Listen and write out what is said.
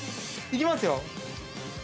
◆いきますよ。